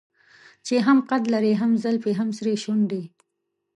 چې هم قد لري هم زلفې هم سرې شونډې.